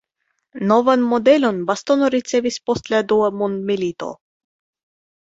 Novan modelon bastono ricevis post la dua mondmilito.